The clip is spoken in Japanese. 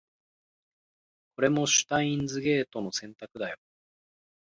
これもシュタインズゲートの選択だよ